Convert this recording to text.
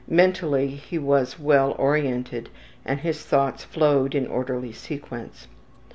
Mentally he was well oriented and his thoughts flowed in orderly sequence.